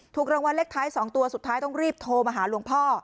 ถูกรางวัลเลขท้าย๒ตัวสุดท้ายต้องรีบโทรมาหาหลวงพ่อ